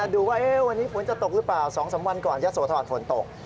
ดูว่าวันนี้ฝนจะตกหรือเปล่า๒๓วันก่อนยะโสธรฝนตก